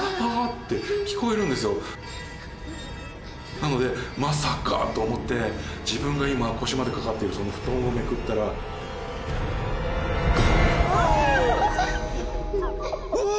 なのでまさかと思って自分が今腰までかかっているその布団をめくったらうわ！